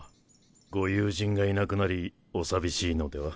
ご友人がいなくなりお寂しいのでは？